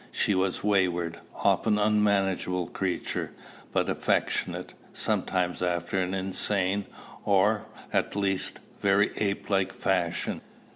She was a wayward, often unmanageable creature, but affectionate, sometimes after an insane, or, at least, very ape like fashion.